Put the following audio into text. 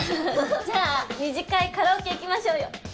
じゃあ２次会カラオケ行きましょうよ。